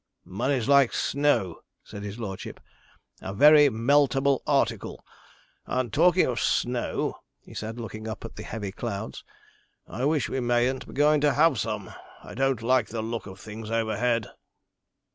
'Money's like snow,' said his lordship, 'a very meltable article; and talking of snow,' he said, looking up at the heavy clouds, 'I wish we mayn't be going to have some I don't like the look of things overhead.'